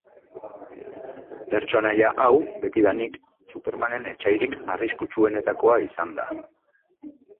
Pertsonaia hau, betidanik, Supermanen etsairik arriskutsuenetakoa izan da.